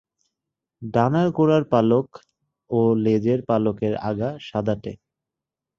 ডানার গোড়ার পালক ও লেজের পালকের আগা সাদাটে।